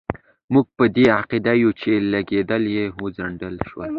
موږ په دې عقیده یو چې لېږل یې وځنډول شي.